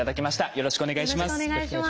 よろしくお願いします。